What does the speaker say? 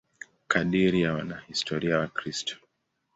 Kadiri ya wanahistoria Wakristo.